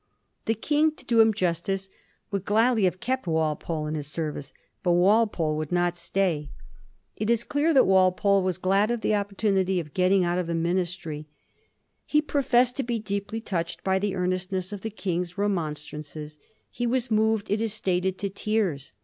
The King, to do him justice, would gladly have kept Walpole in his service, but Walpole would not stay. It is dear Digiti zed by Google 216 A HISTORY OF THE FOUR GEORGES. ch. a. that Walpole was glad of the opportunity of getting^ out of the mmistry. He professed to be deeply touched by the earnestness of the King's remon strances. He was moved, it is stated, to tears.